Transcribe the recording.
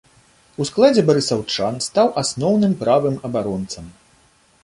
У складзе барысаўчан стаў асноўным правым абаронцам.